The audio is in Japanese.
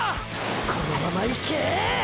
このままいけぇぇ！！